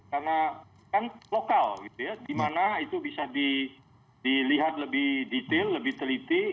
karena kan lokal dimana itu bisa dilihat lebih detail lebih teliti